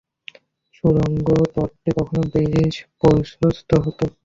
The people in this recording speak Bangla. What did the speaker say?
সুড়ঙ্গ পথটি কখনো বেশ প্রশস্ত হত।